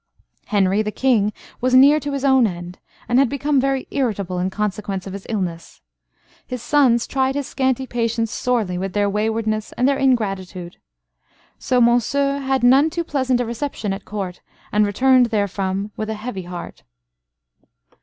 Henry, the King, was near to his own end, and had become very irritable in consequence of his illness. His sons tried his scanty patience sorely with their waywardness and their ingratitude. So Monceux had none too pleasant a reception at Court, and returned therefrom with a heavy heart.